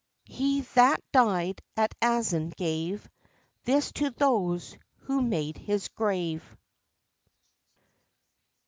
_He that died at Azan gave This to those who made his grave.